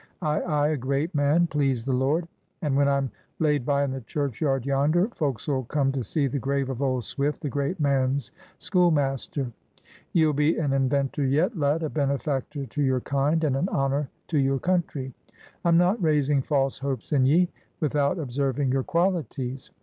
Ay, ay, a Great Man, please the Lord; and, when I'm laid by in the churchyard yonder, folks'll come to see the grave of old Swift, the great man's schoolmaster. Ye'll be an inventor yet, lad, a benefactor to your kind, and an honor to your country. I'm not raising false hopes in ye, without observing your qualities.